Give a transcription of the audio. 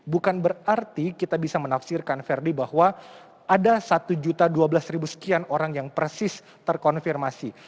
bukan berarti kita bisa menafsirkan ferdi bahwa ada satu dua belas sekian orang yang persis terkonfirmasi